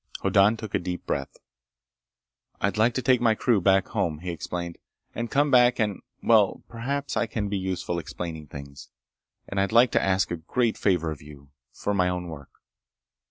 Hoddan took a deep breath. "I'd like to take my crew back home," he explained. "And come back and ... well ... perhaps I can be useful explaining things. And I'd like to ask a great favor of you ... for my own work."